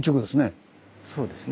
そうですね。